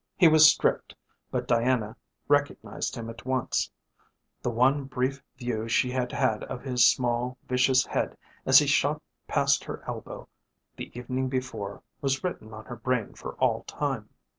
He was stripped, but Diana recognised him at once. The one brief view she had had of his small, vicious head as he shot past her elbow the evening before was written on her brain for all time.